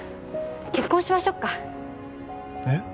結婚しましょっかえっ？